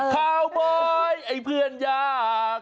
ข่าวบอยไอ้เพื่อนยาก